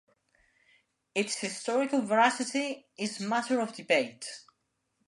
Its historical veracity is matter of debate.